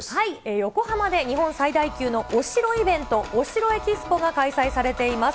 横浜で日本最大級のお城イベント、お城ＥＸＰＯが開催されています。